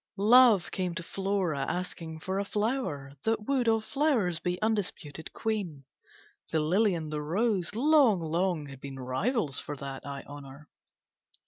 Love came to Flora asking for a flower That would of flowers be undisputed queen, The lily and the rose, long, long had been Rivals for that high honour.